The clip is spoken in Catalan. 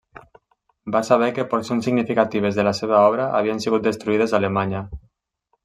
Va saber que porcions significatives de la seva obra havien sigut destruïdes a Alemanya.